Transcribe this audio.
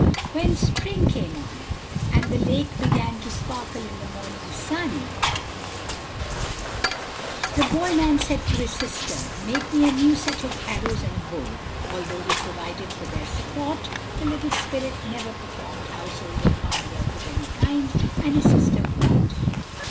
When spring came on, and the lake began to sparkle in the morning sun, the boy man said to his sister: "Make me a new set of arrows and a bow." Although he provided for their support, the little spirit never performed household or hard work of any kind, and his sister obeyed.